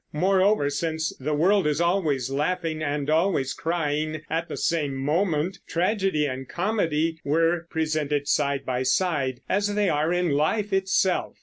Moreover, since the world is always laughing and always crying at the same moment, tragedy and comedy were presented side by side, as they are in life itself.